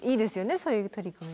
そういう取り組みも。